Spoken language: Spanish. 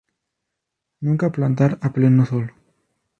Nunca plantar a pleno sol.